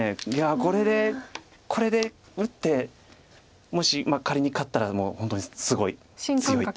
いやこれで打ってもし仮に勝ったらもう本当にすごい強い。